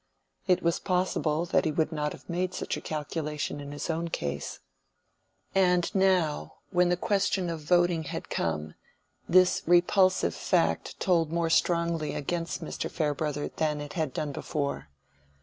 It was possible that he would not have made such a calculation in his own case. And now, when the question of voting had come, this repulsive fact told more strongly against Mr. Farebrother than it had done before.